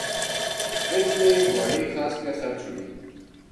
رچھ نے گُہاڑی خس کے سَٹ چھُڑی